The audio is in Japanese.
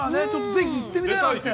ぜひ行ってみたいなって。